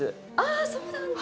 あそうなんだ！